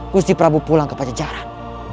musti prap pulang ke pajajaran